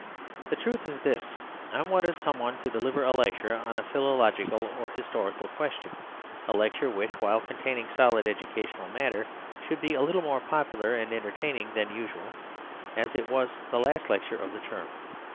The truth is this: I wanted some one to deliver a lecture on a philological or historical question—a lecture which, while containing solid educational matter, should be a little more popular and entertaining than usual, as it was the last lecture of the term.